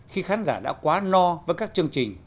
khi khán giả đã quá no với các chương trình